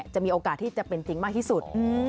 จะมีโอกาสที่จะเป็นจริงมากที่สุด